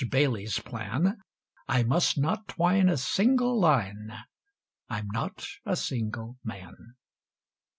Bayly's plan, I must not twine a single line I'm not a single man.